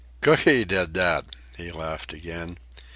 "Cooky did that," he laughed again.